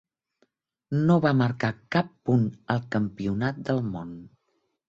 No va marcar cap punt al Campionat del món.